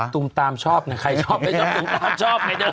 ตุ้งตามชอบนะใครชอบไม่ชอบตุ้งตามชอบไงเดี๋ยว